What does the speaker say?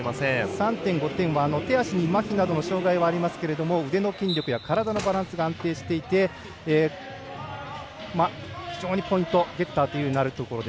３．５点は手足にまひなどの障がいはありますが腕の筋力や体のバランスが安定していて非常にポイントゲッターというところ。